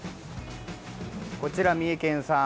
こちら、三重県産。